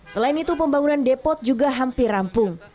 selain itu pembangunan depot juga hampir rampung